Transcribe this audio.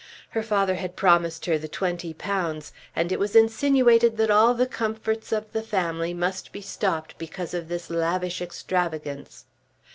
Her father had promised her the twenty pounds, and it was insinuated that all the comforts of the family must be stopped because of this lavish extravagance.